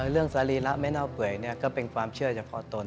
เรื่องสารีหระไม่เน่าเปยก็เป็นความเชื่อจากพ่อตน